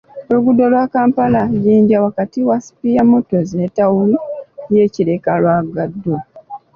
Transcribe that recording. Oluguudo lwa Kampala-Jinja wakati wa Spear Motors ne ttawuni y'e Kireka lwagadwa.